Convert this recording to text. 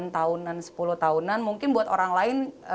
sembilan tahunan sepuluh tahunan mungkin buat orang lain